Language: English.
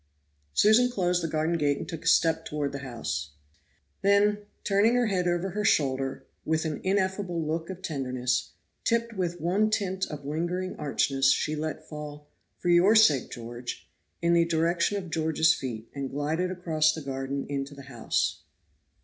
Susan closed the garden gate and took a step toward the house. Then, turning her head over her shoulder, with an ineffable look of tenderness, tipped with one tint of lingering archness, she let fall, "For your sake, George," in the direction of George's feet, and glided across the garden into the house.